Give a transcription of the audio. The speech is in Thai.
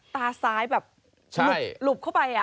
ตาซ้ายแบบหลุบเข้าไป